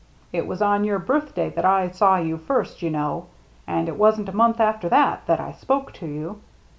It was on your birthday that I saw you first, you know. And it wasn't a month after that that I spoke to you.